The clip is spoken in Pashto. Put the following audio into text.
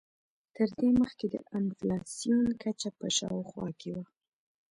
تر دې مخکې د انفلاسیون کچه په شاوخوا کې وه.